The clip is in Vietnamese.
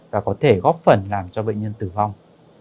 và có thể góp phần làm cho bệnh nhân tử vong